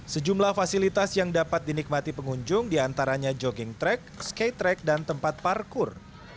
sejumlah fasilitas yang dapat dinikmati pengunjung diantaranya jogging track skate track dan tempat parkur